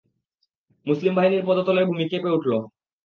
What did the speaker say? মুসলিম বাহিনীর পদতলের ভূমি কেঁপে উঠল।